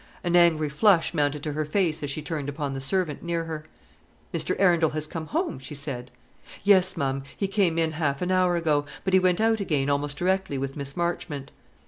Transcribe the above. An angry flush mounted to her face as she turned upon the servant near her. "Mr. Arundel has come home?" she said. "Yes, ma'am, he came in half an hour ago; but he went out again almost directly with Miss Marchmont."